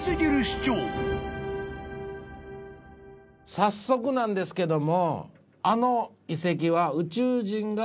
早速なんですけども。